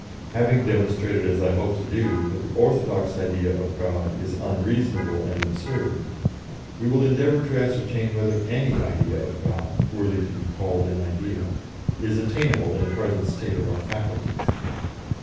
Having demonstrated, as I hope to do, that the orthodox idea of God is unreasonable and absurd, we will endeavour to ascertain whether any idea of God, worthy to be called an idea, is attainable in the present state of our faculties."